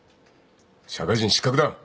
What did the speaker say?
社会人失格だ。